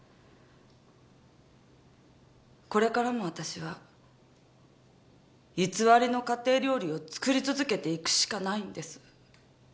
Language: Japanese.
これからも私は偽りの家庭料理を作り続けていくしかないんです。